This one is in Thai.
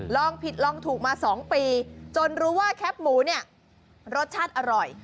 ลองผิดลองถูกมา๒ปีจนรู้ว่าแคปหมูเนี่ยรสชาติอร่อย